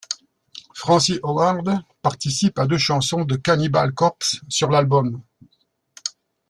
Francis Howard participe à deux chansons de Cannibal Corpse sur l'album '.